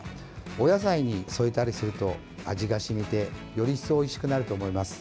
お野菜に添えたりすると味が染みてより一層おいしくなると思います。